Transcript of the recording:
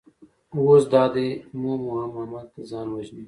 اوس دا دی مومو هم هملته ځان وژني.